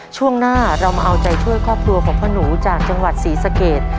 ช่วงหน้าเรามาเอาใจช่วยครอบครัวของพ่อหนูจากจังหวัดศรีสะเกด